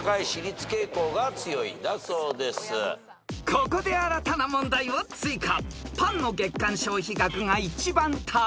［ここで新たな問題を追加］